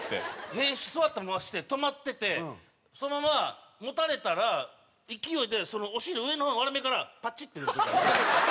屁座ったままして止まっててそのままもたれたら勢いでお尻の上の方の割れ目からパチッて出る時ある。